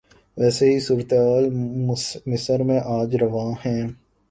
ویسی ہی صورتحال مصر میں آج روا ہے۔